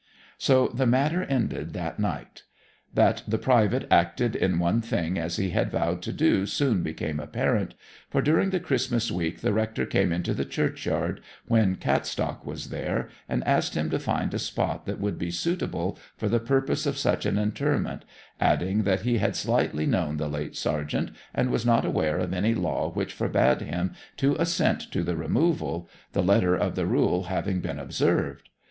So the matter ended that night. That the private acted in one thing as he had vowed to do soon became apparent, for during the Christmas week the rector came into the churchyard when Cattstock was there, and asked him to find a spot that would be suitable for the purpose of such an interment, adding that he had slightly known the late sergeant, and was not aware of any law which forbade him to assent to the removal, the letter of the rule having been observed.